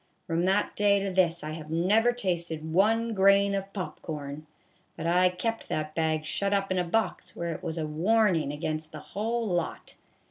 From that day to this I have never tasted one grain of pop corn, but I kept that bag shut up in a box where it was a warnin' against the whole lot.